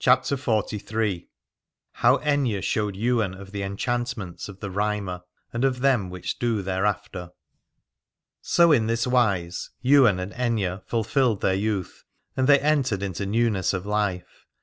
270 CHAPTER XLIII. HOW AITHNE SHOWED YWAIN OF THE EN CHANTMENTS OF THE RHYMER, AND OF THEM WHICH DO THEREAFTER. So in this wise Ywain and Aithne fulfilled their youth, and they entered into newness of life.